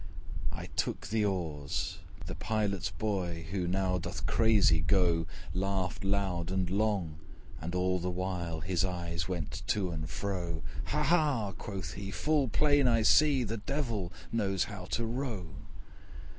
I took the oars: the Pilot's boy, Who now doth crazy go, Laughed loud and long, and all the while His eyes went to and fro. 'Ha! ha!' quoth he, 'full plain I see, The Devil knows how to row.'